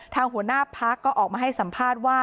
หัวหน้าพักก็ออกมาให้สัมภาษณ์ว่า